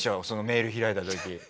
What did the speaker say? そのメール開いた時。